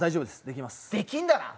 できんだな？